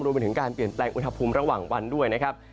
รวมไปถึงการเปลี่ยนแปลงอุณหภูมิระหว่างวันด้วยนะครับ